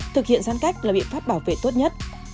thực hiện giãn cách là biện pháp bảo vệ tốt nhất